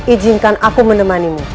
ijinkan aku menemanimu